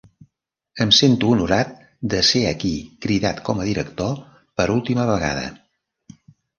Em sento honorat de ser aquí cridat com a director per última vegada.